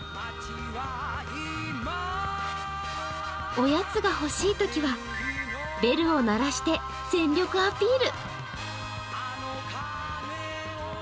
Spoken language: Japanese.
おやつが欲しいときは、ベルを鳴らして全力アピール。